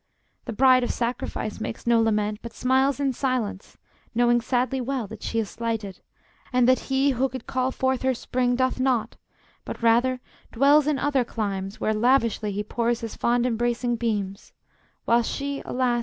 The Bride of Sacrifice makes no lament, But smiles in silence, knowing sadly well That she is slighted, and that he, who could Call forth her spring, doth not, but rather dwells In other climes, where lavishly he pours His fond embracing beams, while she, alas!